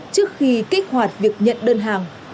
trước khi kích hoạt việc nhận đơn hàng